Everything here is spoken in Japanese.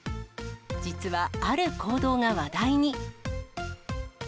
実は、ある行動が話題に。